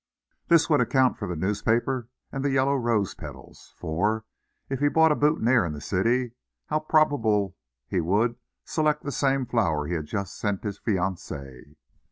This would account for the newspaper and the yellow rose petals, for, if he bought a boutonniere in the city, how probable he would select the same flower he had just sent his fiancee.